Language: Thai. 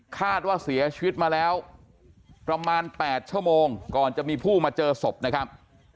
คาดว่าเสียชีวิตมาแล้วประมาณ๘ชั่วโมงก่อนจะมีผู้มาเจอศพนะครับ